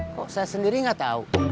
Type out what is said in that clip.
kok saya sendiri nggak tahu